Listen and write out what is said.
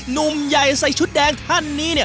หนุ่มใหญ่ใส่ชุดแดงท่านนี้เนี่ย